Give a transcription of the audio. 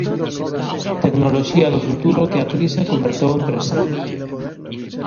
Tecnoloxía do futuro que a crise converteu en presente.